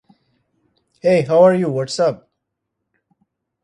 Many died and were buried in the burial ground behind the building.